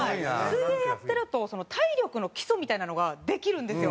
水泳やってると体力の基礎みたいなのができるんですよ。